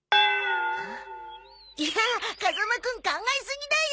いや風間くん考えすぎだよ。